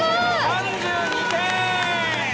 ３２点！